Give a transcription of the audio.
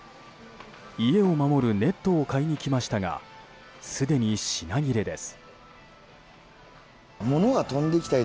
家を守るネットを買いに来ましたがすでに品切れです。